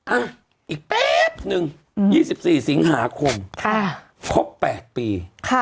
อังอีกปี้๊บนึง๒๔สิงหากุมค่ะครบ๘ปี